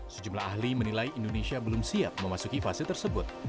sejumlah ahli menilai indonesia belum siap memasuki fase tersebut